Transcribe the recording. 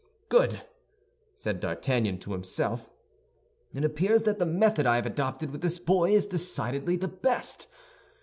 "Good!" said D'Artagnan to himself. "It appears that the method I have adopted with this boy is decidedly the best.